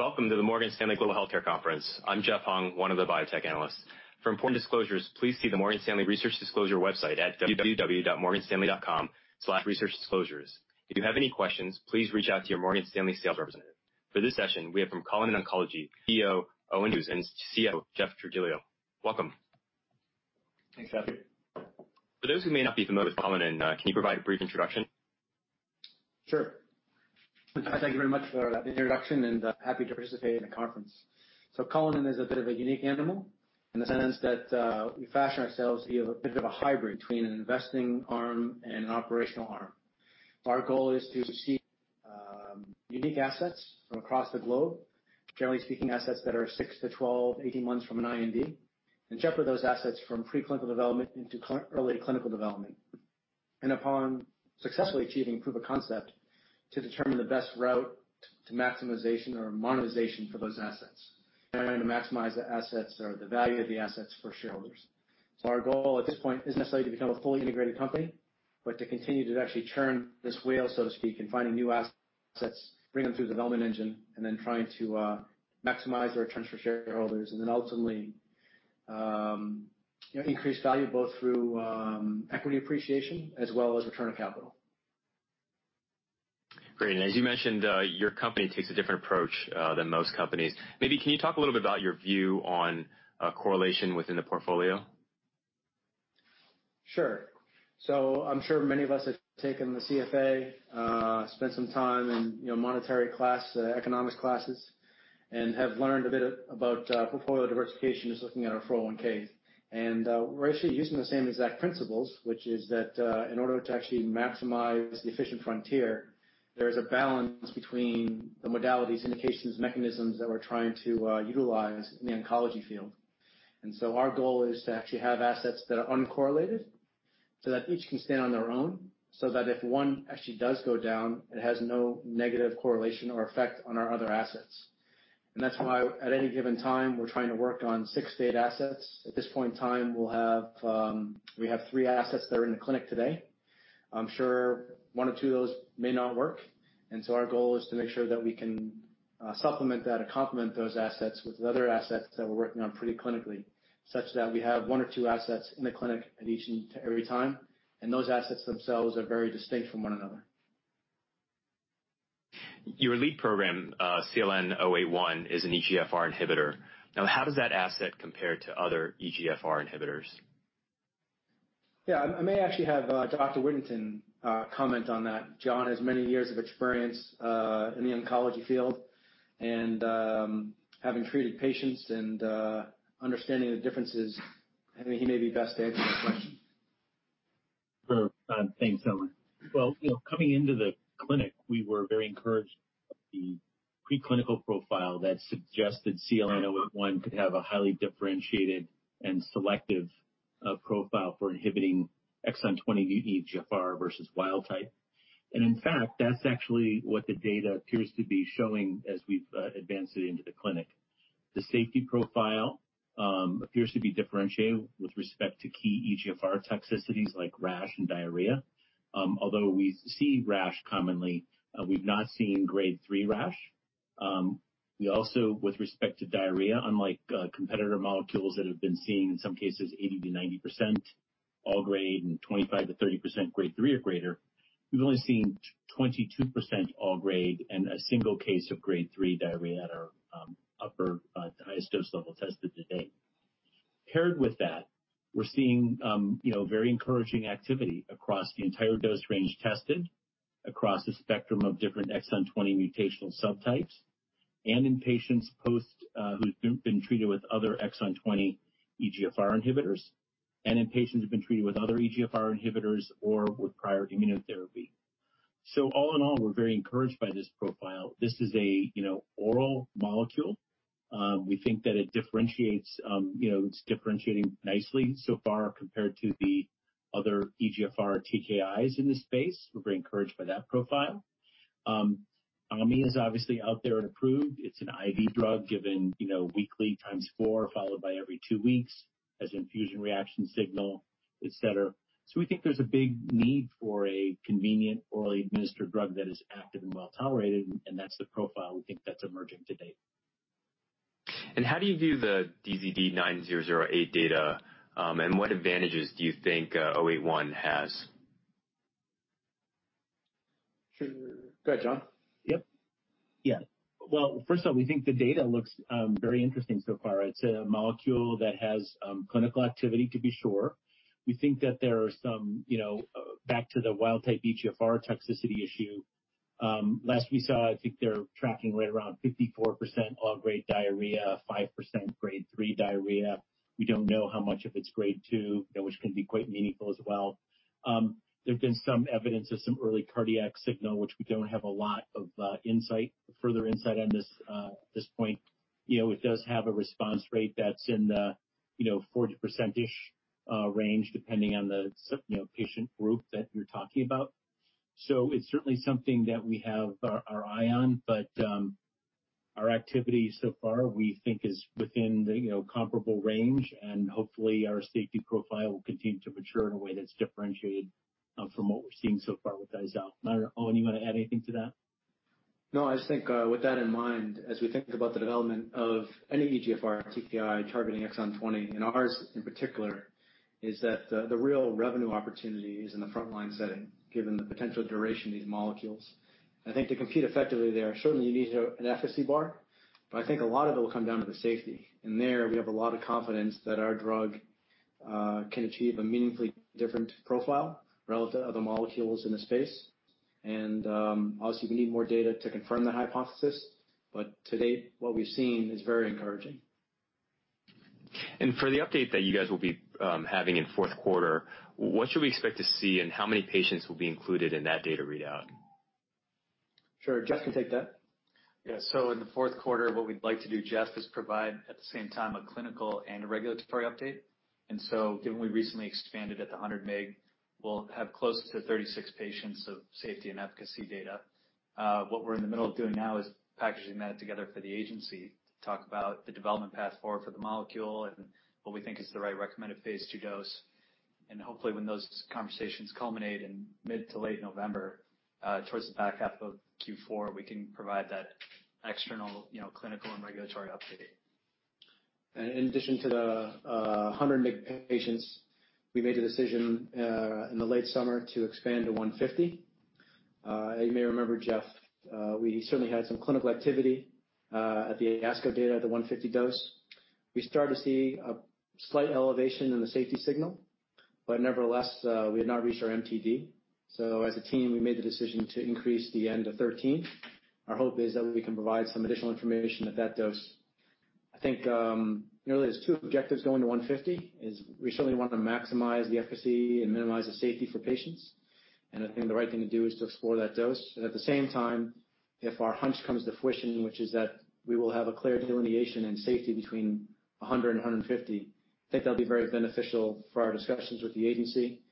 Welcome to the Morgan Stanley Global Healthcare Conference. I'm Jeff Hung, one of the Biotech Analysts. For important disclosures, please see the Morgan Stanley research disclosure website at www.morganstanley.com/researchdisclosures. If you have any questions, please reach out to your Morgan Stanley sales representative. For this session, we have from Cullinan Oncology, Chief Executive Officer Owen Hughes, and Chief Financial Officer, Jeff Trigilio. Welcome. Thanks, Jeffrey. For those who may not be familiar with Cullinan, can you provide a brief introduction? Sure. Thank you very much for that introduction, and happy to participate in the conference. Cullinan is a bit of a unique animal in the sense that we fashion ourselves to be a bit of a hybrid between an investing arm and an operational arm. Our goal is to seek unique assets from across the globe. Generally speaking, assets that are 6-12, 18 months from an IND, and shepherd those assets from preclinical development into early clinical development. Upon successfully achieving proof of concept, to determine the best route to maximization or monetization for those assets and to maximize the assets or the value of the assets for shareholders. Our goal at this point isn't necessarily to become a fully integrated company, but to continue to actually churn this wheel, so to speak, in finding new assets, bring them through the development engine, and then trying to maximize our returns for shareholders, and then ultimately increase value both through equity appreciation as well as return of capital. Great. As you mentioned, your company takes a different approach than most companies. Maybe can you talk a little bit about your view on correlation within the portfolio? Sure. I'm sure many of us have taken the CFA, spent some time in monetary class, economics classes, and have learned a bit about portfolio diversification just looking at our 401(k). We're actually using the same exact principles, which is that in order to actually maximize the efficient frontier, there is a balance between the modalities, indications, mechanisms that we're trying to utilize in the oncology field. Our goal is to actually have assets that are uncorrelated so that each can stand on their own, so that if one actually does go down, it has no negative correlation or effect on our other assets. That's why at any given time, we're trying to work on 6-8 assets. At this point in time, we have three assets that are in the clinic today. I'm sure one or two of those may not work. Our goal is to make sure that we can supplement that or complement those assets with other assets that we're working on preclinically, such that we have one or two assets in the clinic at each and every time. Those assets themselves are very distinct from one another. Your lead program, CLN-081, is an EGFR inhibitor. How does that asset compare to other EGFR inhibitors? Yeah. I may actually have Dr. Wigginton comment on that. Jon has many years of experience in the oncology field, and having treated patients and understanding the differences, I think he may be best to answer that question. Sure. Thanks, Owen. Well, coming into the clinic, we were very encouraged by the preclinical profile that suggested CLN-081 could have a highly differentiated and selective profile for inhibiting exon 20 EGFR versus wild type. In fact, that's actually what the data appears to be showing as we've advanced it into the clinic. The safety profile appears to be differentiated with respect to key EGFR toxicities like rash and diarrhea. We see rash commonly, we've not seen grade 3 rash. With respect to diarrhea, unlike competitor molecules that have been seen in some cases 80%-90% all grade and 25%-30% grade 3 or greater, we've only seen 22% all grade and a single case of grade 3 diarrhea at our upper highest dose level tested to date. Paired with that, we're seeing very encouraging activity across the entire dose range tested, across a spectrum of different exon 20 mutational subtypes, and in patients post who've been treated with other exon 20 EGFR inhibitors, and in patients who've been treated with other EGFR inhibitors or with prior immunotherapy. All in all, we're very encouraged by this profile. This is a oral molecule. It's differentiating nicely so far compared to the other EGFR TKIs in this space. We're very encouraged by that profile. Ami is obviously out there and approved. It's an IV drug given weekly times four, followed by every two weeks, has infusion reaction signal, et cetera. We think there's a big need for a convenient orally administered drug that is active and well-tolerated, and that's the profile we think that's emerging to date. How do you view the DZD9008 data, and what advantages do you think 081 has? Sure. Go ahead, Jon. Yep. Yeah. Well, first of all, we think the data looks very interesting so far. It's a molecule that has clinical activity, to be sure. We think that there are some, back to the wild type EGFR toxicity issue. Last we saw, I think they're tracking right around 54% all grade diarrhea, 5% grade 3 diarrhea. We don't know how much of it's grade 2, which can be quite meaningful as well. There's been some evidence of some early cardiac signal, which we don't have a lot of further insight on at this point. It does have a response rate that's in the 40%ish range, depending on the patient group that you're talking about. It's certainly something that we have our eye on, but our activity so far we think is within the comparable range, and hopefully our safety profile will continue to mature in a way that's differentiated from what we're seeing so far with those out. Owen, you want to add anything to that? I just think with that in mind, as we think about the development of any EGFR TKI targeting exon 20, and ours in particular, is that the real revenue opportunity is in the frontline setting, given the potential duration of these molecules. I think to compete effectively there, certainly you need an efficacy bar, but I think a lot of it will come down to the safety. There we have a lot of confidence that our drug can achieve a meaningfully different profile relative other molecules in the space. Obviously, we need more data to confirm the hypothesis, but to date, what we've seen is very encouraging. For the update that you guys will be having in fourth quarter, what should we expect to see and how many patients will be included in that data readout? Sure. Jeff can take that. Yeah. In the fourth quarter, what we'd like to do, Jeff, is provide, at the same time, a clinical and a regulatory update. Given we recently expanded at the 100 mg, we'll have close to 36 patients of safety and efficacy data. What we're in the middle of doing now is packaging that together for the agency to talk about the development path forward for the molecule and what we think is the right recommended phase II dose. Hopefully, when those conversations culminate in mid to late November, towards the back half of Q4, we can provide that external clinical and regulatory update. In addition to the 100 mg patients, we made a decision in the late summer to expand to 150. You may remember, Jeff, we certainly had some clinical activity at the ASCO data at the 150 dose. We started to see a slight elevation in the safety signal, but nevertheless, we had not reached our MTD, so as a team, we made the decision to increase the N to 13. Our hope is that we can provide some additional information at that dose. I think, really, there's two objectives going to 150, is we certainly want to maximize the efficacy and minimize the safety for patients, and I think the right thing to do is to explore that dose. At the same time, if our hunch comes to fruition, which is that we will have a clear delineation in safety between 100 and 150, I think that'll be very beneficial for our discussions with the agency,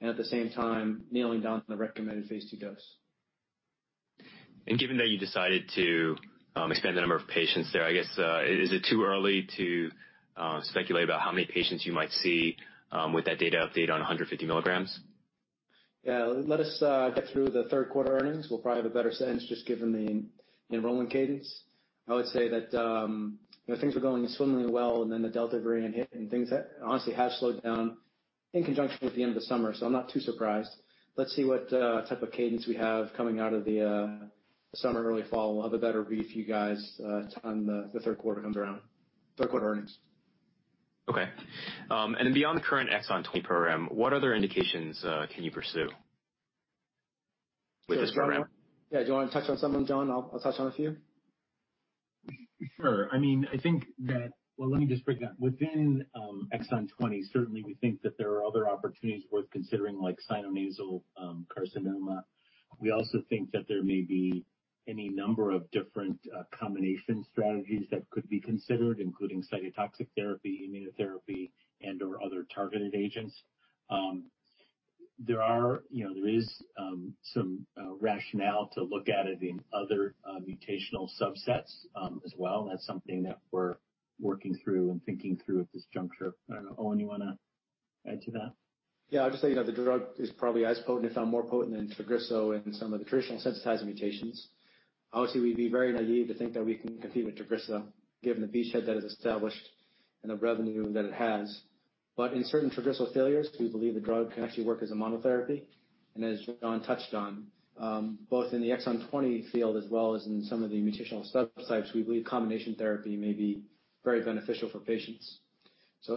and at the same time, nailing down the recommended phase II dose. Given that you decided to expand the number of patients there, I guess, is it too early to speculate about how many patients you might see with that data update on 150 mg? Yeah. Let us get through the third quarter earnings. We'll probably have a better sense just given the enrollment cadence. I would say that things were going swimmingly well. The Delta variant hit. Things honestly have slowed down in conjunction with the end of the summer. I'm not too surprised. Let's see what type of cadence we have coming out of the summer, early fall. We'll have a better read for you guys on the 3rd quarter comes around, third quarter earnings. Okay. Beyond the current exon 20 program, what other indications can you pursue with this program? Yeah. Do you want to touch on some of them, Jon? I'll touch on a few. Sure. Well, let me just break it down. Within exon 20, certainly we think that there are other opportunities worth considering, like Sinonasal carcinoma. We also think that there may be any number of different combination strategies that could be considered, including cytotoxic therapy, immunotherapy, and/or other targeted agents. There is some rationale to look at it in other mutational subsets as well. That's something that we're working through and thinking through at this juncture. I don't know, Owen, you want to add to that? I'll just say, the drug is probably as potent, if not more potent than TAGRISSO in some of the traditional sensitizing mutations. Obviously, we'd be very naive to think that we can compete with TAGRISSO given the beachhead that is established and the revenue that it has. In certain TAGRISSO failures, we believe the drug can actually work as a monotherapy, and as Jon touched on, both in the exon 20 field as well as in some of the mutational subtypes, we believe combination therapy may be very beneficial for patients.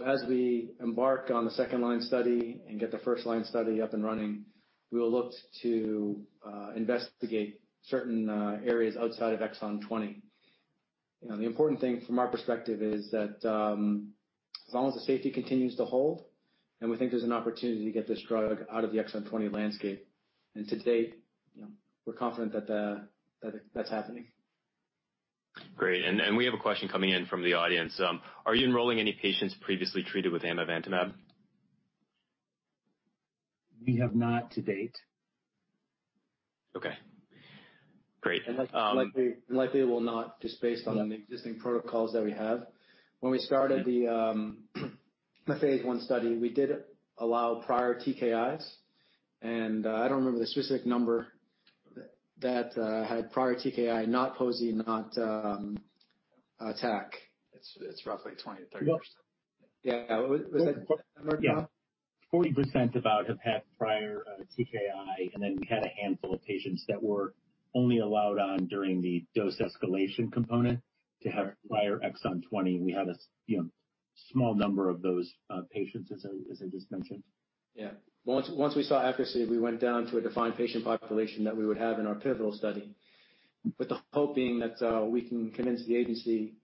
As we embark on the second-line study and get the first-line study up and running, we will look to investigate certain areas outside of exon 20. The important thing from our perspective is that, as long as the safety continues to hold, and we think there's an opportunity to get this drug out of the exon 20 landscape. To date, we're confident that that's happening. Great. We have a question coming in from the audience. Are you enrolling any patients previously treated with amivantamab? We have not to date. Okay, great. Likely will not just based on the existing protocols that we have. When we started the phase I study, we did allow prior TKIs. I don't remember the specific number that had prior TKI, not pozi, not TAK-788. It's roughly 20%-30%. Yeah. Was that number about? Yeah. 40% about have had prior TKI, and then we had a handful of patients that were only allowed on during the dose escalation component to have prior exon 20. We had a small number of those patients, as I just mentioned. Yeah. Once we saw efficacy, we went down to a defined patient population that we would have in our pivotal study. With the hope being that we can convince the agency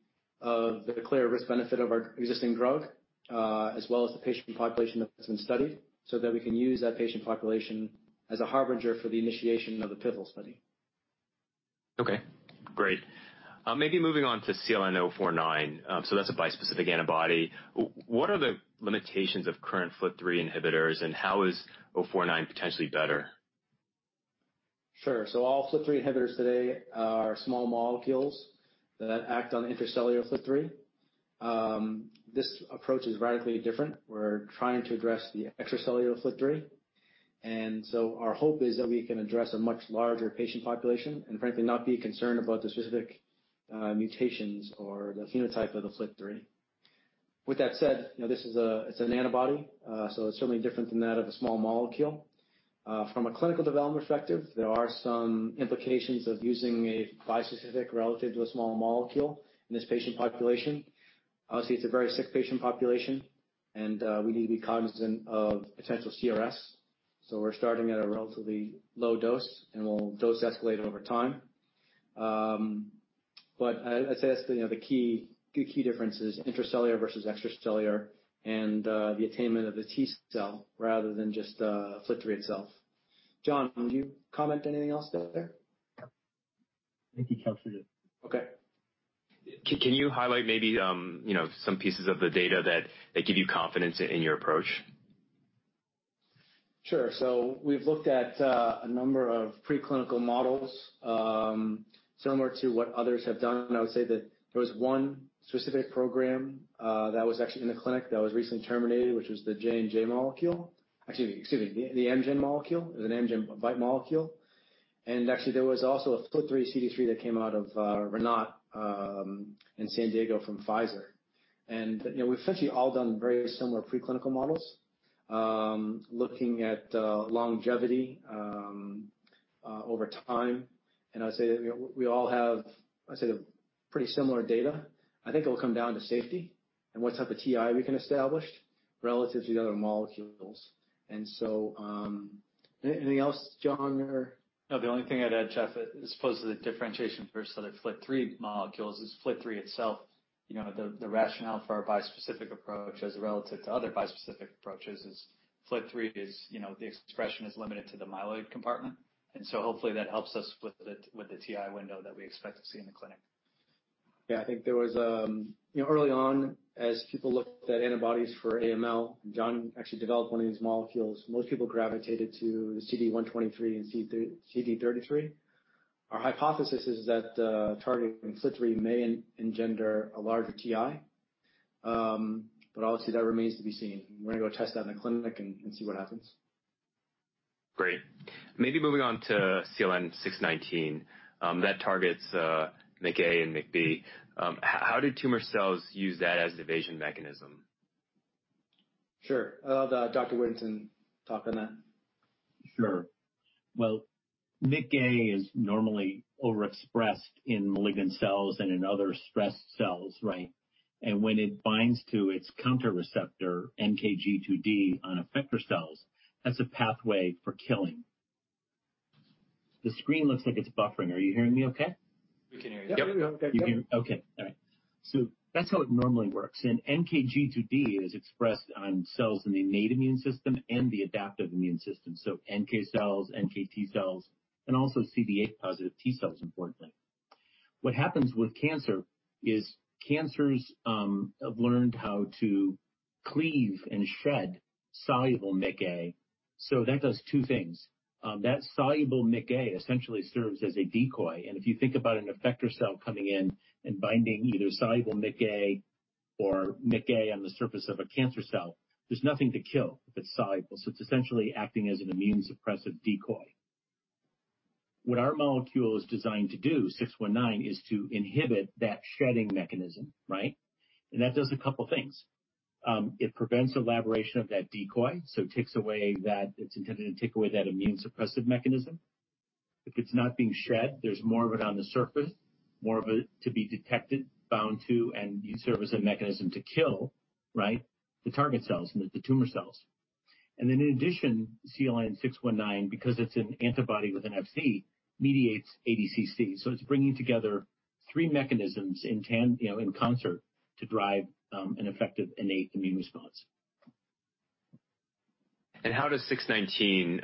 of the clear risk-benefit of our existing drug, as well as the patient population that's been studied, so that we can use that patient population as a harbinger for the initiation of the pivotal study. Okay, great. Maybe moving on to CLN-049. That's a bispecific antibody. What are the limitations of current FLT3 inhibitors, and how is 049 potentially better? Sure. All FLT3 inhibitors today are small molecules that act on intracellular FLT3. This approach is radically different. We're trying to address the extracellular FLT3. Our hope is that we can address a much larger patient population and frankly, not be concerned about the specific mutations or the phenotype of the FLT3. With that said, it's an antibody, so it's certainly different than that of a small molecule. From a clinical development perspective, there are some implications of using a bispecific relative to a small molecule in this patient population. Obviously, it's a very sick patient population, and we need to be cognizant of potential CRS. We're starting at a relatively low dose, and we'll dose escalate over time. I'd say that's the key differences, intracellular versus extracellular and the attainment of the T cell rather than just FLT3 itself. Jon, would you comment anything else there? No. I think you captured it. Okay. Can you highlight maybe some pieces of the data that give you confidence in your approach? Sure. We've looked at a number of preclinical models, similar to what others have done. I would say that there was one specific program that was actually in the clinic that was recently terminated, which was the JNJ molecule. Excuse me, the Amgen molecule. It was an Amgen BiTE molecule. Actually, there was also a FLT3 CD3 that came out of Rinat in San Diego from Pfizer. We've essentially all done very similar preclinical models, looking at longevity over time. I'd say that we all have a pretty similar data. I think it'll come down to safety and what type of TI we can establish relative to the other molecules. Anything else, Jon or? No, the only thing I'd add, Jeff, as opposed to the differentiation versus other FLT3 molecules is FLT3 itself. The rationale for our bispecific approach as relative to other bispecific approaches is FLT3 is, the expression is limited to the myeloid compartment, and so hopefully that helps us with the TI window that we expect to see in the clinic. Yeah, I think there was, early on as people looked at antibodies for AML, Jon actually developed 1 of these molecules. Most people gravitated to the CD123 and CD33. Our hypothesis is that targeting FLT3 may engender a larger TI, but obviously that remains to be seen. We're going to go test that in the clinic and see what happens. Great. Maybe moving on to CLN-619, that targets MICA and MICB. How do tumor cells use that as evasion mechanism? Sure. I'll have Dr. Wigginton talk on that. Sure. Well, MICA is normally overexpressed in malignant cells and in other stressed cells, right? When it binds to its counter receptor, NKG2D on effector cells, that's a pathway for killing. The screen looks like it's buffering. Are you hearing me okay? We can hear you. Yep. Okay. All right. That's how it normally works. NKG2D is expressed on cells in the innate immune system and the adaptive immune system. NK cells, NKT cells, and also CD8 positive T cells, importantly. What happens with cancer is cancers have learned how to cleave and shred soluble MICA. That does two things. That soluble MICA essentially serves as a decoy, and if you think about an effector cell coming in and binding either soluble MICA or MICA on the surface of a cancer cell, there's nothing to kill if it's soluble. It's essentially acting as an immune suppressive decoy. What our molecule is designed to do, 619, is to inhibit that shedding mechanism, right? That does a couple of things. It prevents elaboration of that decoy, so it's intended to take away that immune suppressive mechanism. If it's not being shed, there's more of it on the surface, more of it to be detected, bound to, and serve as a mechanism to kill, right, the target cells and the tumor cells. In addition, CLN-619, because it's an antibody with an Fc, mediates ADCC. It's bringing together three mechanisms in concert to drive an effective innate immune response. How does 619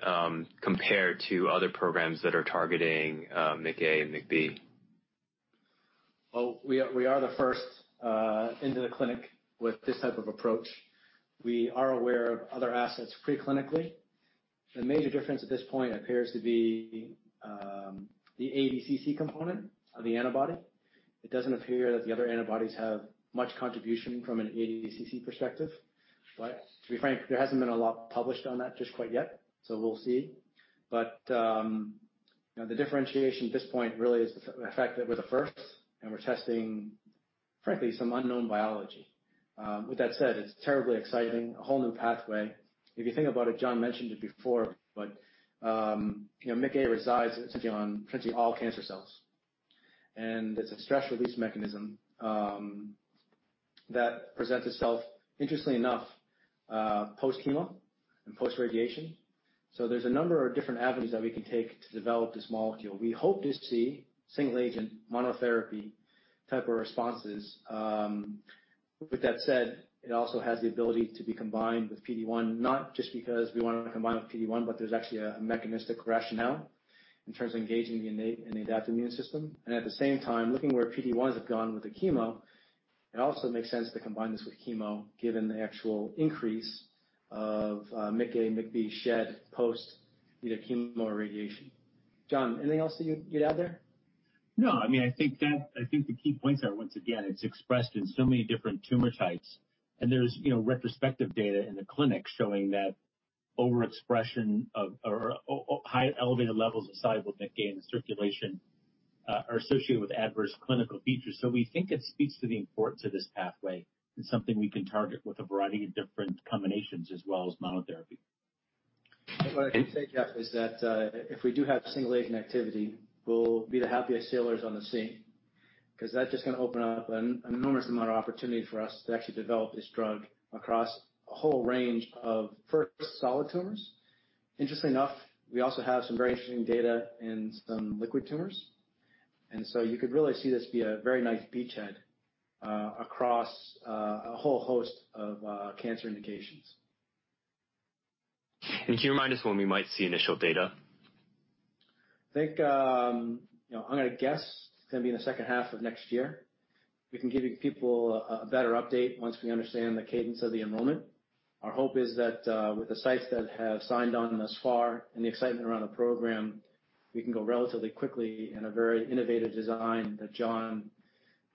compare to other programs that are targeting MICA and MICB? Well, we are the first into the clinic with this type of approach. We are aware of other assets preclinically. The major difference at this point appears to be the ADCC component of the antibody. It doesn't appear that the other antibodies have much contribution from an ADCC perspective. To be frank, there hasn't been a lot published on that just quite yet. We'll see. The differentiation at this point really is the fact that we're the first, and we're testing, frankly, some unknown biology. With that said, it's terribly exciting, a whole new pathway. If you think about it, Jon mentioned it before, MICA resides essentially on essentially all cancer cells. It's a stress release mechanism, that presents itself, interestingly enough, post-chemo and post-radiation. There's a number of different avenues that we can take to develop this molecule. We hope to see single agent monotherapy type of responses. With that said, it also has the ability to be combined with PD-1, not just because we want to combine with PD-1, there's actually a mechanistic rationale in terms of engaging the innate and adaptive immune system. At the same time, looking where PD-1s have gone with the chemo, it also makes sense to combine this with chemo, given the actual increase of MICA, MICB shed post either chemo or radiation. Jon, anything else that you'd add there? I think the key points are, once again, it's expressed in so many different tumor types. There's retrospective data in the clinic showing that overexpression or high elevated levels of soluble Notch gain in circulation are associated with adverse clinical features. We think it speaks to the importance of this pathway and something we can target with a variety of different combinations as well as monotherapy. What I can say, Jeff, is that if we do have single-agent activity, we'll be the happiest sailors on the sea, because that's just going to open up an enormous amount of opportunity for us to actually develop this drug across a whole range of first solid tumors. Interestingly enough, we also have some very interesting data in some liquid tumors, and so you could really see this be a very nice beachhead across a whole host of cancer indications. Can you remind us when we might see initial data? I'm going to guess it's going to be in the second half of next year. We can give you people a better update once we understand the cadence of the enrollment. Our hope is that with the sites that have signed on thus far and the excitement around the program, we can go relatively quickly in a very innovative design that Jon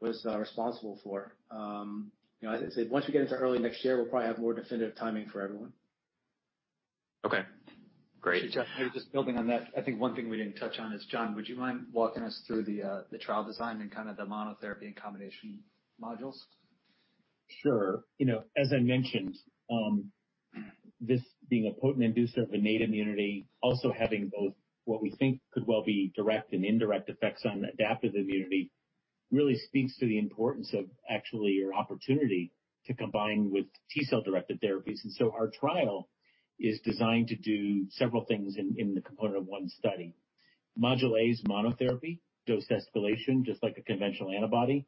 was responsible for. As I said, once we get into early next year, we'll probably have more definitive timing for everyone. Okay, great. Just building on that, I think one thing we didn't touch on is, Jon, would you mind walking us through the trial design and kind of the monotherapy and combination modules? Sure. As I mentioned, this being a potent inducer of innate immunity, also having both what we think could well be direct and indirect effects on adaptive immunity, really speaks to the importance of actually your opportunity to combine with -directed therapies. Our trial is designed to do several things in the component of one study. Module A is monotherapy, dose escalation, just like a conventional antibody.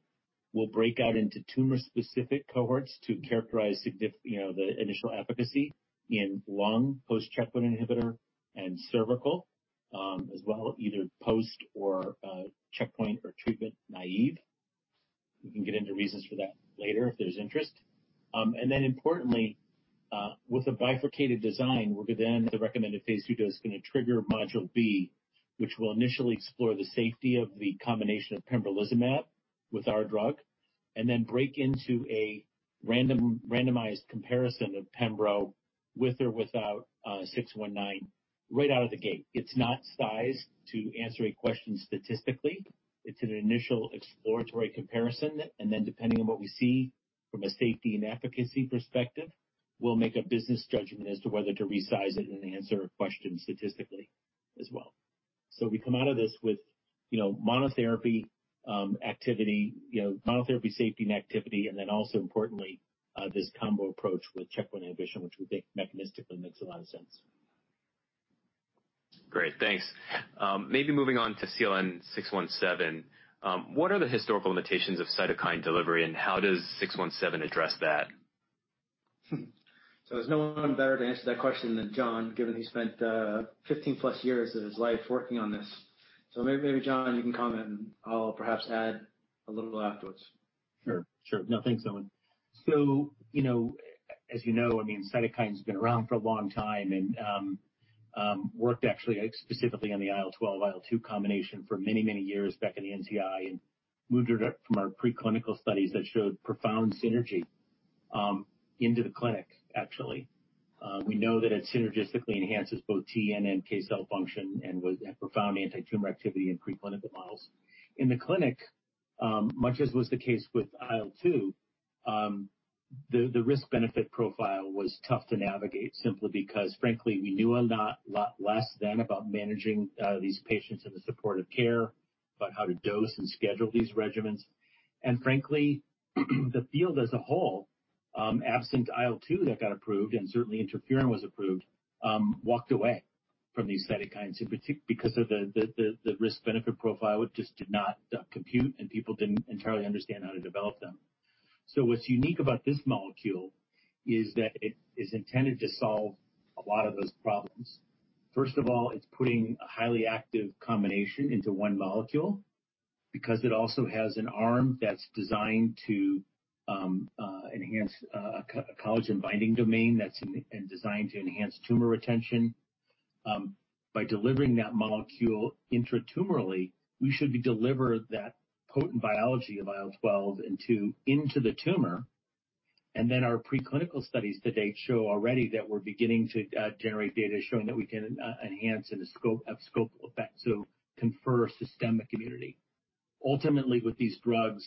We'll break out into tumor-specific cohorts to characterize the initial efficacy in lung post-checkpoint inhibitor and cervical, as well either post or checkpoint or treatment naive. We can get into reasons for that later if there's interest. Importantly, with a bifurcated design, we could, the recommended phase II dose is going to trigger module B, which will initially explore the safety of the combination of pembrolizumab with our drug, break into a randomized comparison of pembro with or without CLN-619 right out of the gate. It's not sized to answer a question statistically. It's an initial exploratory comparison, depending on what we see from a safety and efficacy perspective, we'll make a business judgment as to whether to resize it and answer a question statistically as well. We come out of this with monotherapy safety and activity, also importantly, this combo approach with checkpoint inhibition, which we think mechanistically makes a lot of sense. Great. Thanks. Maybe moving on to CLN-617. What are the historical limitations of cytokine delivery, and how does 617 address that? There's no one better to answer that question than Jon, given he spent 15+ years of his life working on this. Maybe, Jon, you can comment, and I'll perhaps add a little afterwards. Sure. No, thanks, Owen. As you know, cytokines have been around for a long time and worked actually specifically on the IL-12/IL-2 combination for many, many years back in the NCI and moved it from our preclinical studies that showed profound synergy into the clinic, actually. We know that it synergistically enhances both T and NK cell function and profound antitumor activity in preclinical models. In the clinic, much as was the case with IL-2, the risk-benefit profile was tough to navigate, simply because, frankly, we knew a lot less then about managing these patients in the supportive care, about how to dose and schedule these regimens. Frankly, the field as a whole, absent IL-2 that got approved and certainly interferon was approved, walked away from these cytokines because of the risk-benefit profile. It just did not compute, people didn't entirely understand how to develop them. What's unique about this molecule is that it is intended to solve a lot of those problems. First of all, it's putting a highly active combination into one molecule because it also has an arm that's designed to enhance a collagen binding domain that's designed to enhance tumor retention. By delivering that molecule intratumorally, we should deliver that potent biology of IL-12 into the tumor, and then our preclinical studies to date show already that we're beginning to generate data showing that we can enhance an abscopal effect, so confer systemic immunity. Ultimately, with these drugs,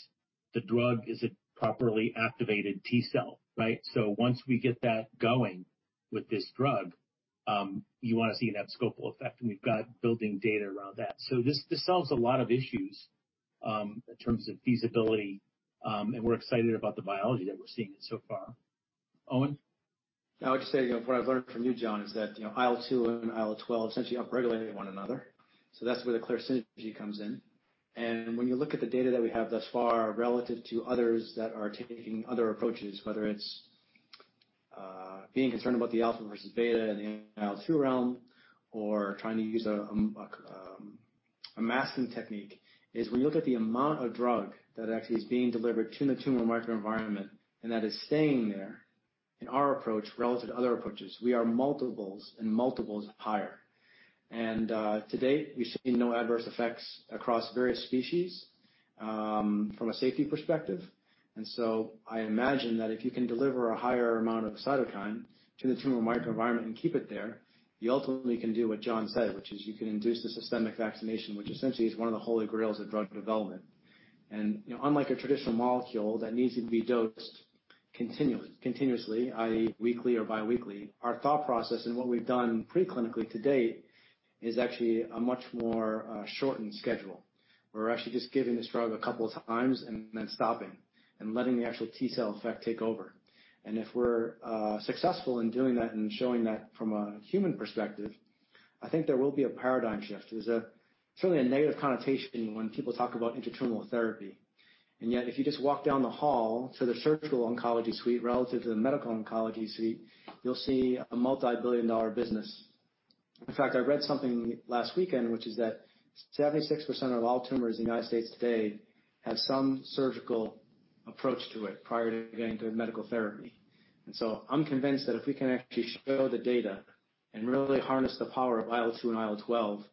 the drug is a properly activated T cell, right? Once we get that going with this drug, you want to see that abscopal effect, and we've got building data around that. This solves a lot of issues in terms of feasibility, and we're excited about the biology that we're seeing so far. Owen? I would just say, what I've learned from you, Jon, is that IL-2 and IL-12 essentially upregulate one another. That's where the clear synergy comes in. When you look at the data that we have thus far relative to others that are taking other approaches, whether it's being concerned about the alpha versus beta in the IL-2 realm or trying to use a masking technique, is when you look at the amount of drug that actually is being delivered to the tumor microenvironment and that is staying there. In our approach, relative to other approaches, we are multiples and multiples higher. To date, we've seen no adverse effects across various species from a safety perspective. I imagine that if you can deliver a higher amount of cytokine to the tumor microenvironment and keep it there, you ultimately can do what Jon said, which is you can induce the systemic vaccination, which essentially is one of the holy grails of drug development. Unlike a traditional molecule that needs to be dosed continuously, i.e., weekly or biweekly, our thought process and what we've done pre-clinically to date is actually a much more shortened schedule, where we're actually just giving this drug a couple of times and then stopping and letting the actual T cell effect take over. If we're successful in doing that and showing that from a human perspective, I think there will be a paradigm shift. There's certainly a negative connotation when people talk about intratumoral therapy, and yet, if you just walk down the hall to the surgical oncology suite relative to the medical oncology suite, you'll see a multi-billion-dollar business. In fact, I read something last weekend, which is that 76% of all tumors in the United States today have some surgical approach to it prior to getting to a medical therapy. So I'm convinced that if we can actually show the data and really harness the power of IL-2 and IL-12,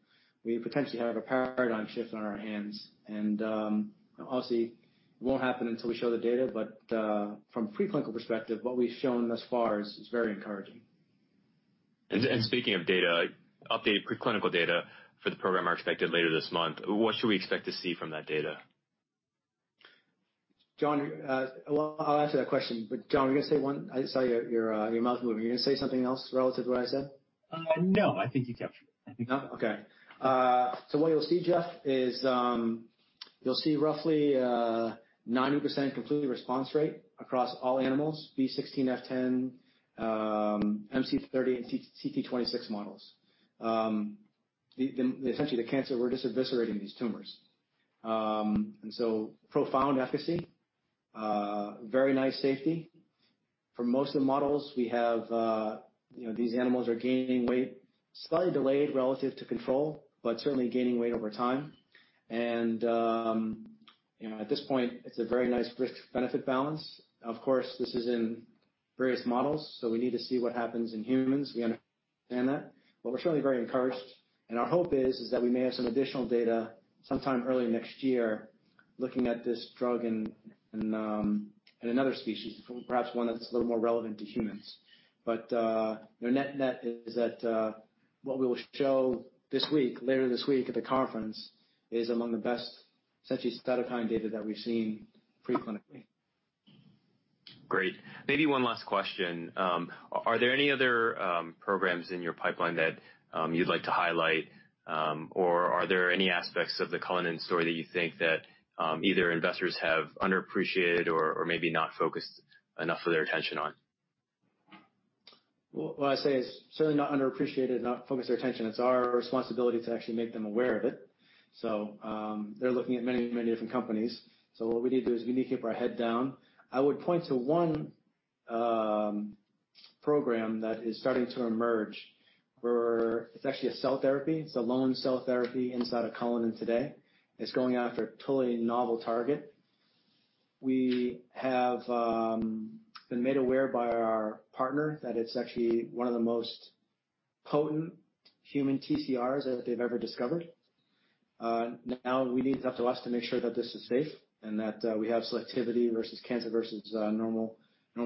we potentially have a paradigm shift on our hands. Obviously, it won't happen until we show the data, but from a pre-clinical perspective, what we've shown thus far is very encouraging. Speaking of data, updated pre-clinical data for the program are expected later this month. What should we expect to see from that data? Jon, well, I'll answer that question, but Jon, were you going to say I saw your mouth moving. Were you going to say something else relative to what I said? No, I think you captured it. No? Okay. What you'll see, Jeff, is you'll see roughly a 90% complete response rate across all animals, B16-F10, MC38, and CT26 models. Essentially, the cancer, we're just eviscerating these tumors. Profound efficacy, very nice safety. For most of the models we have, these animals are gaining weight, slightly delayed relative to control, but certainly gaining weight over time. At this point, it's a very nice risk-benefit balance. Of course, this is in various models, so we need to see what happens in humans. We understand that. We're certainly very encouraged, and our hope is that we may have some additional data sometime early next year looking at this drug in another species, perhaps one that's a little more relevant to humans. The net is that what we will show this week, later this week at the conference, is among the best cytokine data that we've seen pre-clinically. Great. Maybe one last question. Are there any other programs in your pipeline that you'd like to highlight? Are there any aspects of the Cullinan story that you think that either investors have underappreciated or maybe not focused enough of their attention on? What I say is certainly not underappreciated, not focused their attention. It's our responsibility to actually make them aware of it. They're looking at many, many different companies. What we need to do is we need to keep our head down. I would point to one program that is starting to emerge where it's actually a cell therapy. It's a lone cell therapy inside of Cullinan today. It's going after a totally novel target. We have been made aware by our partner that it's actually one of the most potent human TCRs that they've ever discovered. Now it's up to us to make sure that this is safe and that we have selectivity versus cancer versus normal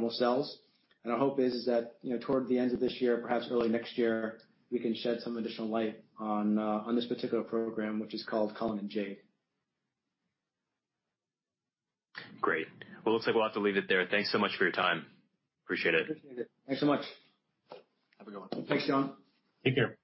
cells. Our hope is that toward the end of this year, perhaps early next year, we can shed some additional light on this particular program, which is called Cullinan Jade. Great. Well, looks like we'll have to leave it there. Thanks so much for your time. Appreciate it. Appreciate it. Thanks so much. Have a good one. Thanks, Jon. Take care.